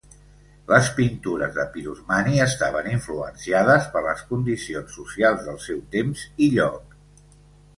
Les pintures de Pirosmani estaven influenciades per les condicions socials del seu temps i lloc.